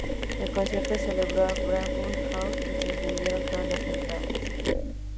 El concierto se celebró en Barnum Hall y se vendieron todas las entradas.